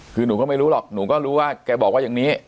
คือหนูก็ไม่รู้หรอกหนูก็รู้ว่าแกบอกว่าอย่างนี้